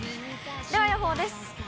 では予報です。